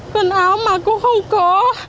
quần áo mà cũng không có